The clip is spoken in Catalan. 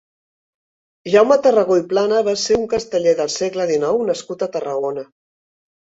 Jaume Tarragó i Plana va ser un casteller del segle dinou nascut a Tarragona.